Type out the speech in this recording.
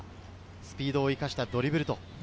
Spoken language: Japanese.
スピードを生かしたドリブル。